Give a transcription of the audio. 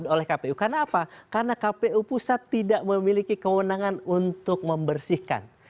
oleh kpu karena apa karena kpu pusat tidak memiliki kewenangan untuk membersihkan